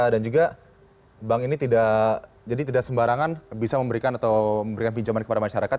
dan juga bank ini tidak jadi tidak sembarangan bisa memberikan atau memberikan pinjaman kepada masyarakat